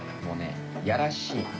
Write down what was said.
もうねやらしい。